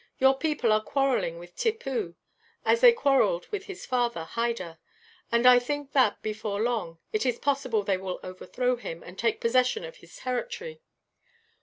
Your people are quarrelling with Tippoo, as they quarrelled with his father, Hyder; and I think that, before long, it is possible they will overthrow him, and take possession of his territory.